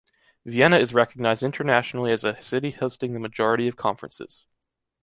Vienna is recognized internationally as a city hosting the majority of conferences.